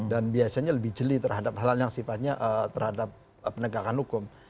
dan biasanya lebih jeli terhadap hal hal yang sifatnya terhadap penegakan hukum